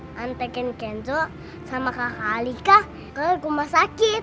nantekin kenco sama kakak alika ke rumah sakit